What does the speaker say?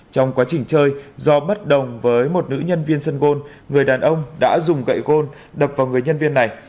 trong quá trình chơi do bất đồng với một nữ nhân viên sân gôn người đàn ông đã dùng gậy gôn đập vào người nhân viên này